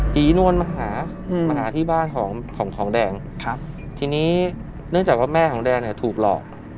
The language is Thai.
ผีนวลมาหาที่บ้านของแดงทีนี้เนื่องจากว่าแม่ของแดงถูกหลอก